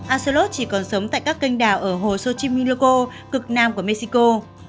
axolotl chỉ còn sống tại các kênh đảo ở hồ xochimilco cực nam của mexico